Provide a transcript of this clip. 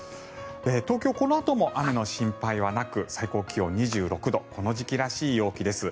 東京、このあとも雨の心配はなく最高気温２６度この時期らしい陽気です。